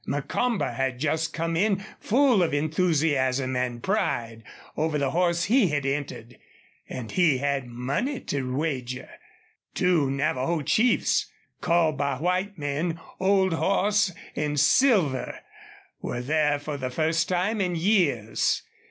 Macomber had just come in full of enthusiasm and pride over the horse he had entered, and he had money to wager. Two Navajo chiefs, called by white men Old Horse and Silver, were there for the first time in years.